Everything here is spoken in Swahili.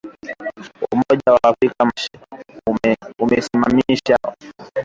umoja wa Afrika umeisimamisha uanachama wa Sudan